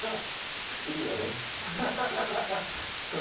不思議だよね。